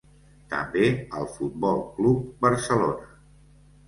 També al Futbol Club Barcelona.